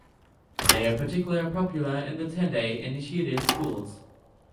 They are particularly popular in the Tendai and Nichiren schools.